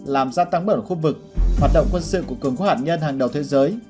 làm gia tăng bẩn khu vực hoạt động quân sự của cường quốc hạt nhân hàng đầu thế giới